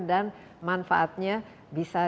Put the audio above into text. dan manfaatnya bisa